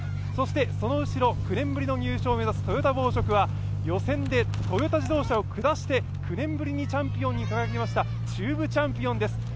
そしてその後ろ、９年ぶりの入賞を目指すトヨタ紡織は予選でトヨタ自動車を下して９年ぶりにチャンピオンに輝きました中部チャンピオンです。